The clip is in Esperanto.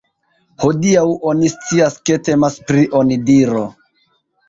Hodiaŭ oni scias ke temas pri onidiro.